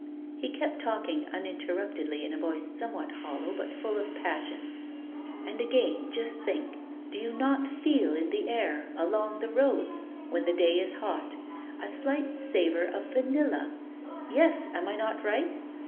He kept talking uninterruptedly in a voice somewhat hollow but full of passion. "And again, just think, do you not feel in the air, along the roads, when the day is hot, a slight savor of vanilla. Yes, am I not right?